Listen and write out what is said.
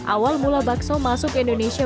awal mula bakso masuk indonesia